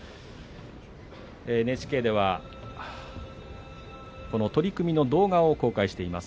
ＮＨＫではこの取組の動画を公開しています。